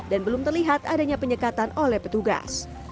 dan belum terlihat adanya penyekatan oleh petugas